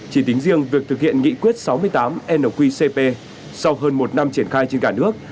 chỉ tính riêng việc thực hiện nghị quyết sáu mươi tám nqcp sau hơn một năm triển khai trên cả nước